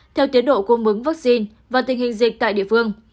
theo tiến độ cung bứng vaccine và tình hình dịch tại địa phương